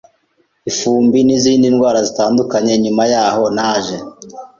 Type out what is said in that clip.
ifumbi n’izindi ndwara zitandukanye nyuma yaho naje